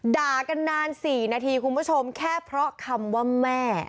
ด่ากันนาน๔นาทีคุณผู้ชมแค่เพราะคำว่าแม่